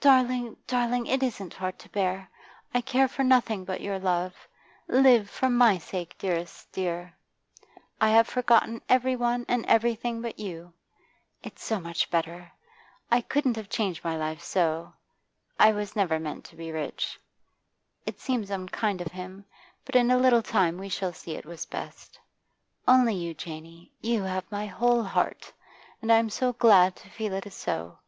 'Darling, darling, it isn't hard to bear. I care for nothing but your love. Live for my sake, dearest dear; I have forgotten every one and everything but you. It's so much better. I couldn't have changed my life so; I was never meant to be rich. It seems unkind of him, but in a little time we shall see it was best. Only you, Janey; you have my whole heart, and I'm so glad to feel it is so.